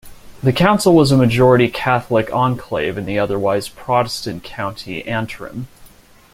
The council was a majority Catholic enclave in the otherwise Protestant County Antrim.